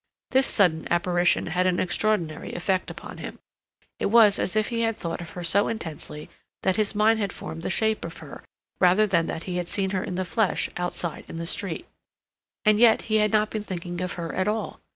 This sudden apparition had an extraordinary effect upon him. It was as if he had thought of her so intensely that his mind had formed the shape of her, rather than that he had seen her in the flesh outside in the street. And yet he had not been thinking of her at all.